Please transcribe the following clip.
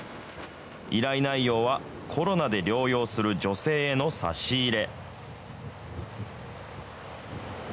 依頼内容は、コロナで療養する女性への差し入れ。